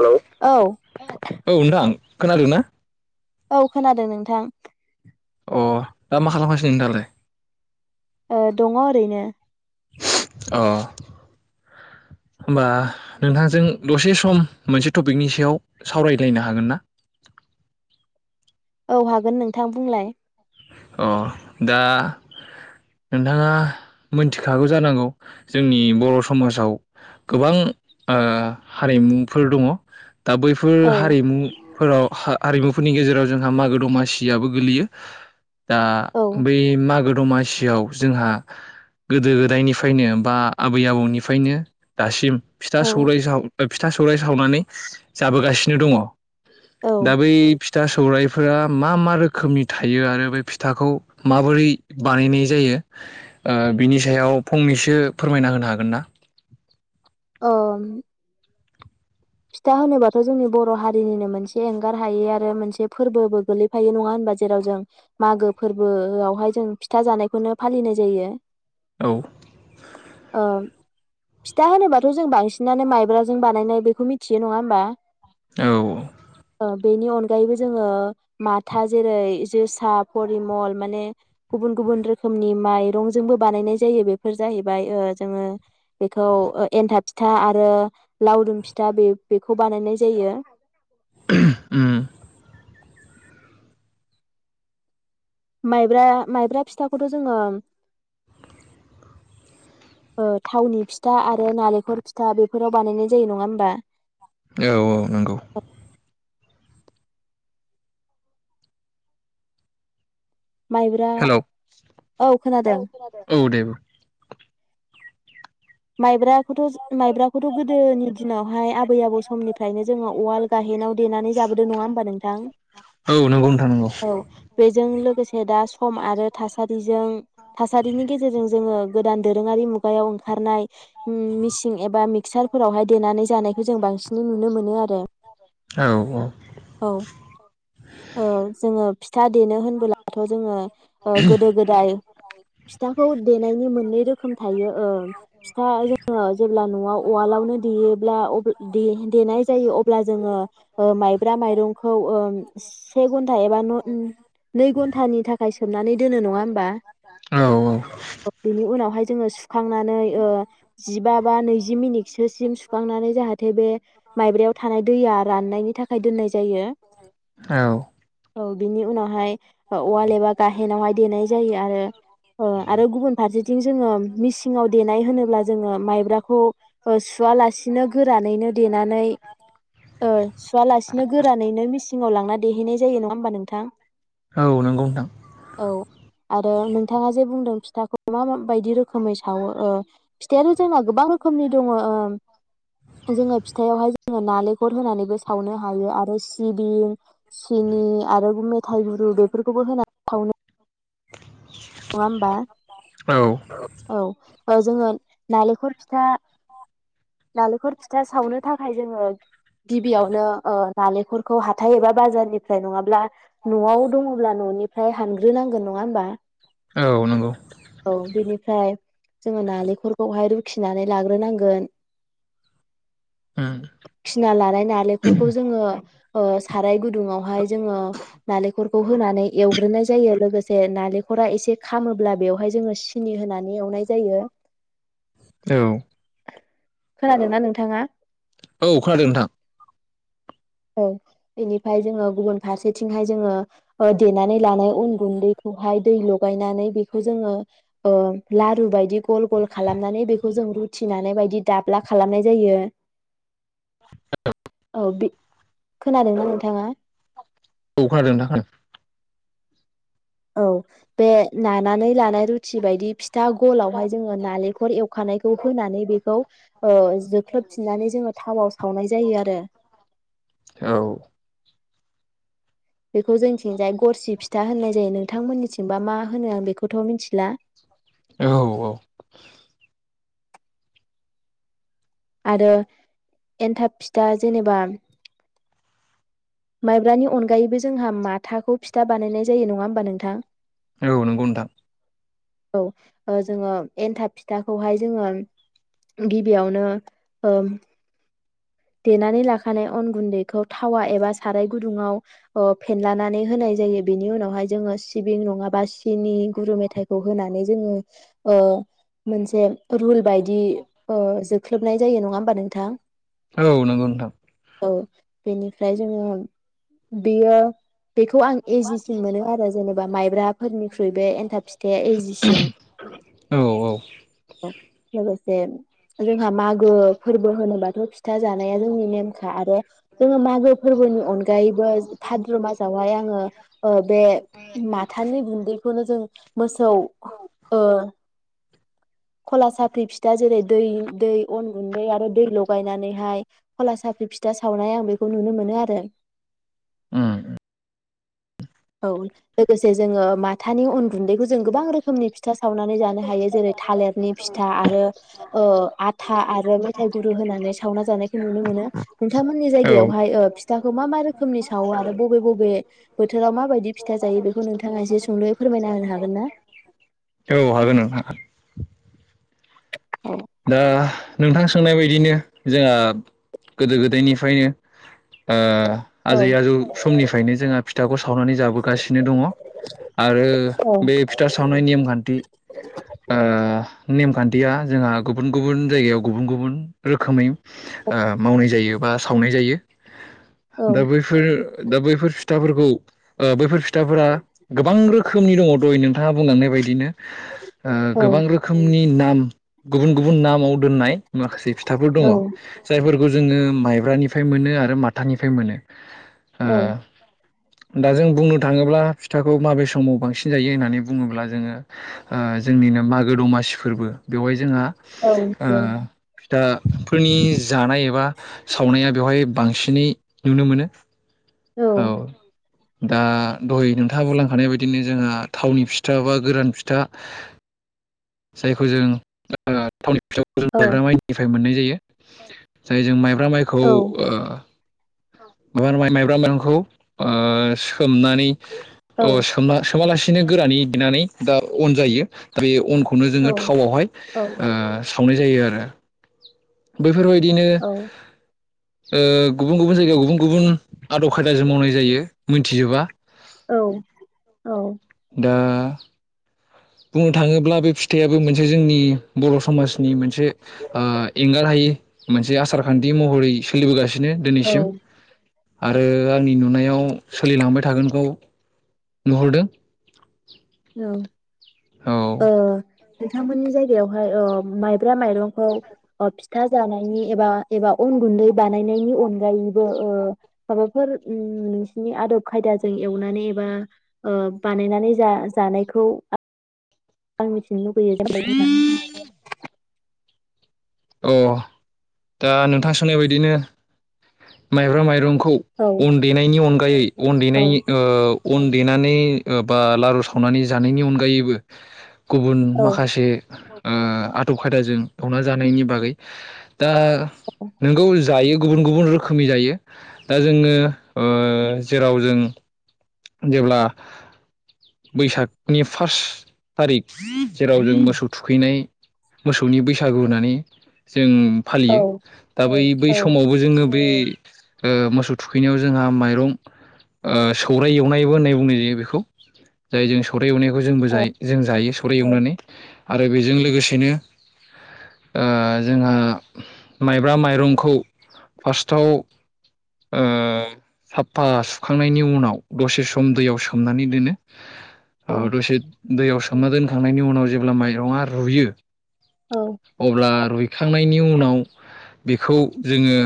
Hello औ खोनादोंना औ खोनादों नोंथां। अ दा मा खालामगासिनो नोंथांआलाय ओ दङ ओरैनो अ होनबा नोंथांजों दसे सम मोनसे टपिकनि सायाव सावरायलायनो हागोन ना। औ हागोन नोंथां बुंलाय अ दा नोंथाङा मोनथिखागौ जानांगौ जोंनि बर' समाजाव गोबां ओ हारिमुफोर दङ दा बैफोर औ हारिमुफोराव ह हारिमुफोरनि गेजेराव जोंहा मागो दमासियाबो गोलैयो दा औ बै मागो दमासियाव। जोंहा गोदो गोदायनिफ्रायनो बा आबै आबौनिफ्रायनो दासिम फिथा औ सौराय साव फिथा सौराय सावनानै जाबोगासिनो दङ औ दा बै फिथा सौरायाइफोरा मा मा रोखोमनि थायो आरो बे फिथाखौ माबोरै बानायनाय जायो ओ बिनि सायाव फंनैसो फोरमायना होनो हागोन ना ओम फिथा होनोबाथ' जोंनि बर' हारिनिनो मोनसे एंगार हायै आरो मोनसे फोरबोबो गोलैफायो नङा होनबा जेराव जों मागो फोरबोआवहाय जों फिथा जानायखौनो फालिनाय जायो। औ ओं फिथा होनोबाथ' जों बांसिनानो मायब्राजों बानायनाय बेखौ मिथि थियो नङा होमबा। औ ओ बेनि अनगायैबो जोंङो माथा जेरै जोसा परिमल माने गुबुन-गुबुन रोखोमनि माइरंजोंबो बानायनाय जायो बेफोर जाहैबाय ओ जोंङो बेखौ एन्थाब फिथा आरो लावदुम फि दा बे बेखौ बानायनाय जायो। अम मायब्रा-मायब्रा फिथाखौथ जोंङो ओ थावनि फिथा आरो नालेंखर फिथा बेफोराव बानायनाय जायो नङा होमबा। औ औ नंगौ। मायब्रा हेलौ औ खोनादों। औ दे माइब्राखौथ' माइब्राखौथ' गोदोनि दिनावहाय आबै आबौ समनिफ्रायनो जोंङो उवाल गाहेनाव देना नै जाबोदो नङा होमबा नोंथां औ नंगौ नोंथां नंगौ औ बे जों लोगोसे दा सम आरो थासारिजों-थासारिनि गेजेरजों जोङो गोदान दोरोङारि मुगायाव ओंखारनाय। मिसिन एबा मिक्सारफोरावहाय देनानै जानायखौ जों बांसिनै नुनो मोनो आरो। औ औ औ औ जोंङो फिथा देनो होनबोलाथ' जोंङो ओ गोदो गोदाय फिथाखौ देनायनि मोननै रोखोम थायो ओ फिथा जोंङो जेब्ला न'आव उवालावनो देयोब्ला अब्ला देनाय जायो अब्ला जोंङो माय ब्रा माइरंखौ से घन्टा एबा नै घन्टानि थाखाय सोमनानै दोनो नङा होमबा औ बेनि उनावहाय जोङो सुखांनानै ओ जिबा बा नैजि मिनिटसोसिम सुखांनानै जाहाथे बे माइब्रायाव थानाय दैया राननायनि था खाय दोननाय जायो औ औ बिनि उनाव हाय उवाल एबा गाहेनावहाय देनाय जायो आरो ओ आरो गुबुन फारसेथिं जोंङो मिसिङाव देनाय होनोब्ला जोङो माइब्राखौ ओ सुवालासिनो गोरानैनो देनानै ओ सुवालासिनो गोरानैनो मिसिङाव लांना देहैनाय जायो नङा होमबा नोंथां। औ नंगौ नोंथां औ आरो नोंथाङा जे बुंदों फिथाखौ मा मा बायदि रोखोमै सावो। फिथाइाथ जोंना गोबां रोखोमनि दङ ओ जोंङो फिथायावहाय जोङो नालेंखर होनानैबो सावनो हायो आरो सिबिं, सिनि आरो मेथाय गुरु बेफोरखौबो होनानै सावनो [inaudible] नङा होमबा औ औ ओ जोंङो नालेंखर फिथा नालेंखर फिथा सावनो थाखाय जोंङो गिबियावनो ओ नालेंखरखौ हाथाय एबा बाजारनिफ्राय नङाब्ला न'आव दंङब्ला न'निफ्राय हानग्रोनांगोन नङा होनबा। औ नंगौ फ्राय जोंङो नालेंखर खौहाय रुखिनानै लाग्रोनांगोन। उम रूखिना लानाय नालेंखरखौ जोंङो ओ साराय गुदुंयावहाय जोंङो नालेंखरखौ होनानै एवग्रोनाय जायो लोगोसे नालें खरा एसे खामोब्ला बेवहाय जोंङो सिनि होनानै एवनाय जायो। औ खोनादों ना नोंथाङा औ खोनादों नोंथां। औ बेनिफ्राय जोंङो गुबुन फारसेथिंहाय जोंङो ओ देनानै लानाय उन गुन्दैखौहाय दै लगायनानै बेखौ जोङो ओ लारु बायदि गल गल खालामनानै बेखौ जों रु थि नानाय बायदि दाब्ला खालामनाय जायो। औ ओ बि खोनादोंना नोंथाङा? औ खोनादों खोनादों औ बे नानानै लानाय रुटि बायदि फि था गलावहाय जोङो नालेंखर एवखानायखौ होनानै बेखौ ओ जोख्लोबफिननानै जोङो थावाव सावनाय जायो आरो खोनादों औ बेखौ जोंनिथिंजाय गरसि फिथा होननाय जायो नों थांमोननिथिंबा मा होनो आं बेखौथ' मिथिला। औ औ आरो एन्थाब फिथा जेनेबा माइब्रानि अनगायैबो जोंहा माथाखौ फिथा बानायनाय जायो नङा होमबा नोंथां? औ नोंगौ नोंथां औ ओ जोङो एन्थाब फिथाखौहाय जोङो गिबियावनो देनानै लाखानाय अन गुन्दैखौ थावा एबा साराय गुदुङाव ओ फेनलानानै होनाय जायो। बेनि उनावहाय जोङो सिबिं नङाबा सिनि गुर मेथाइखौ होनानै जोङो मोनसे रुल बायदि जोख्लोबनाय जायो नङा होमबा नोंथां। औ नंगौ नोंथां औ बेनिफ्राय जोङो बियो बेखौ आं इजिसिन मोनो आरो जेनेबा माइब्राफोरनिख्रुइ बे एन्थाब फिथाया इजिसिन औ औ लोगोसे जेन जोंहा मागो फोर्बो होनोबाथ फिथ था जानाया जोंनि नेमखा आरो जोङो मागो फोर्बोनि अनगायैबो पाद्र' मासावहाय आङो ओ बे माथानि गुन्दैखौनो जों मोसौ ओ। खला साख्रि फिथ था जेरै दै दै अन गुन्दै आरो दै लगायनानै हाय खला साफ्रि फिथा सावनाय आं बेखौ नुनो मोनो आरो। उम औ लोगोसे जोङो माथानि अन गु गुन्दैखौ जों गोबां रोखोमनि फिथा सावनानै जानो हायो जेरै थालेरनि फिथा आरो ओ आथा आरो मेथाइ गुरु होनानै सावना जानायखौ नुनो मोनो नोंथांमोननि औ जायगायावहाय ओ फिथाखौ मा मा रोखोमनि सावो आरो बबे बबे बो बा माबायदि फिथा जायो बेखौ नोंथाङा एसे सुंदयै फोरमायना होन हागोन ना? औ हागोन‌ नोंथां हा दा नोंथां सोंनाय बायदिनो जोंहा गोदो गोदायनिफायनो ओ औ आजै आजौ समनिफ्रायनो जोंहा फिथ था हावनानै जाबोगासिनो दङ आरो बे फिथा सावनाय नेमखान्थि ओ नेमखान्थिया जोंहा गुबुन गुबुन जायगायाव गुबुन गुबुन रोखोमै ओ मावनाय जायो बा सावनाय जायो। औ दा बैफोर दा बैफोर फिथ थाफोरखौ ओ बैफोर फिथाफोरा गोबां रोखोमनि दङ दहै नोंथाङा बुंलांनाय बायदिनो। ओ औ गोबां रोखोमनि ना आम। गुबुन गुबुन नामाव दोननाय माखासे फिथाफोर दङ औ जायफोर बो जोङो माइब्रानिफ्राय मोनो आरो माथानिफ्राय मोनो। ओ औ। दा जों बुंनो थाङोब्ला फिथाखौ माबे समाव बांसिन जायो होननानै बुङोब्ला जोङो ओ जोंनिनो मागो दमासि फोर्बो बेवहाय जोंहा औ ओ दा फोरनिज जानाय एबा सावनाया बेवहाय बांसिनै नुनो मोनो। औ। दा दहाय नोंथाङा बुंलांखानाय बायदिनो जोंहा थावनि फिथा बा गोरान फिथा जायखौ जों आ थावनि औ [unintelligible] मोननाय [unintelligible] जायजों माइ [unintelligible] माइखौ ओ [unintelligible] माइब्रा मायरंखौ ओ सो सोमनानै औ ओ सोमना सोमालासि बिनो गोरानै देनानै दा अन जायो ओरै अनखौ खौनो जोङो थावावहाय ओ सावनाय जायो आरो। बैफोरबायदि बिदिनो ओ गुबुन गुबुन जायगायाव गुबुन गुबुन आदब खायदाजों मावनाय जायो मिनथिजोबा। औ दा बुंनो थाङोब्ला बे फिथाइयाबो मोनसे जोंनि बर' समाज नि मोनसे ओ एंगार हायि मोनसे आसारखान्थि महरै सोलिबोगासि बिदिनो औ दिनैसिम। आरो आंनि नुनायाव सोलिलांबाय थागोनखौ नुहुरदों [inaudible] अ औ नोंथांमोननि जायगायावहाय ओ माइ ब्रा माइरंखौ फि फिथा जानायनि एबा एबा अन गुन्दै बानायनायनि अनगायैबो ओ माबाफोर ओ आदब। खायदाजों एवनानै एबा ओ बानायनानै जा जानायखौ आं मिथिनो लुबैयो [inaudible] अ दा नोंथां सोंनाय बायदिनो माइब्रा माइरंख खौ औ अन देनायनि अनगायै अन औ देनायनि अन देनानै बा लारु सावनानै जानायनि अनगायैबो गुबुन औ माखासे ओ आदब खायदाजों सावना जानायनि बागै दा नोंगौ जायो गुबुन गुबुन रोखोमनि जायो दा जोङो जेराव जों जेब्ला बैसागनि फार्स्ट थारिख जेराव जों मोसौ थुखैनाय मोसौनि बैसागु होनानै जों औ फालियो दा बै बै औ समावबो जोङो बे मोसौ थुखैनायाव जोंहा माइरं सौराइ एवनायबो होननाय बुंनाय जायो बेखौ जाय जों स एवनायखौ जोंबो औ जायो जों जायो फोर एवनानै आरो बेजों लोगोसेनो जोंहा माइब्रा माइरंखौ फार्स्टआव साफा सुखांनायनि उनाव दसे सम दैयाव सोमनानै दोनो। औ दसे दैया सोमना दोनखांनायनि उनाव जेब्ला माइरङा रुयो औ अब्ला रुइखांनायनि उनाव बेखौ जोङो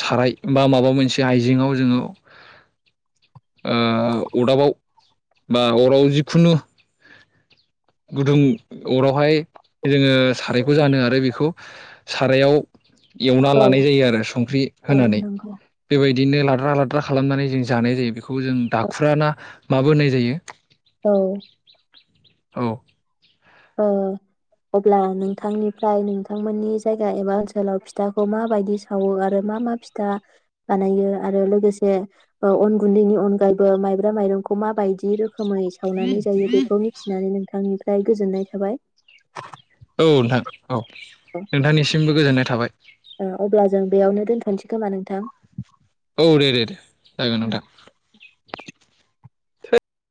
साराय बा माबा मोनसे आइजेेङाव जोङो ओ अदाबाव बा अराव जिखुनु। गुदुं अरावहाय जोङो सारायखौ जानो आरो बेखौ सारायाव एवना औ लानाय जायो आरो संख्रि औ होनानै नंगौ बेबायदि बिदिनो लाद्रा लाद्रा खालामनानै जों जानाय जायो बेखौ जों दाखुराना माबो होननाय जायो औ [inaudible] औ अब्ला नोंथांनिफ्राय नोंथांमोननि जायगा एबा ओनसोलाव फिथाखौ माबायदि सावो आरो मा मा फिथा बानायो आरो लोगोसे अन गुन्दैनि अनगायैबो माइब्रा माइरंखौ माबायदि रो खोमै सावनानै जायो बेखौ मिथिनानै नोंथांनि फ्राय गोजोननाय थाबाय औ नोंथां औ नोंथांनिसिमबो गोजोननाय थाबाय ओ अब्ला जों बेयावनो दोनथ'नोसै खोमा नोंथां औ दे दे दे जागोन नोंथां